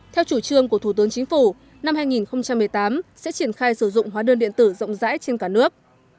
theo chủ trương của thủ tướng chính phủ năm hai nghìn một mươi tám sẽ triển khai sử dụng hóa đơn điện tử rộng rãi trên cả nước